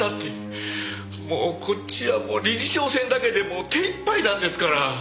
もうこっちは理事長選だけでもう手いっぱいなんですから。